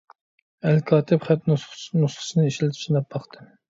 ئەلكاتىپ خەت نۇسخىسىنى ئىشلىتىپ سىناپ باقتىم.